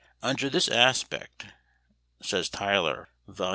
"Under this aspect," says Tyler (Vol.